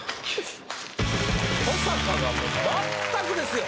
登坂がまったくですよ！